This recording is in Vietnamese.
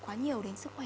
quá nhiều đến sức khỏe